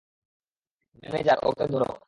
Manager, ওকে ধরো।